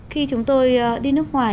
khi chúng tôi đi nước ngoài